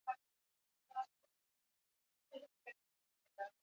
Agenteek lau arketa manipulatuta eta barruko kableak moztuta aurkitu dituzte.